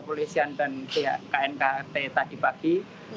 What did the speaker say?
polisian dan knkt tadi pagi